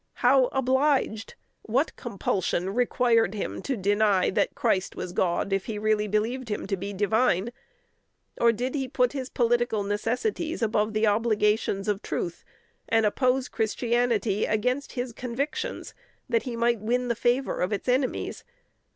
How obliged? What compulsion required him to deny that Christ was God if he really believed him to be divine? Or did he put his political necessities above the obligations of truth, and oppose Christianity against his convictions, that he might win the favor of its enemies?